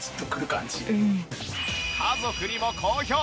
家族にも好評！